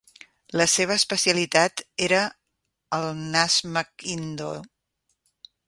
La seva especialitat era el "nas McIndoe".